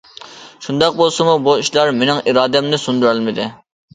شۇنداق بولسىمۇ بۇ ئىشلار مېنىڭ ئىرادەمنى سۇندۇرالمىدى.